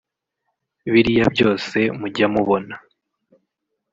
Biriya byose mujya mubona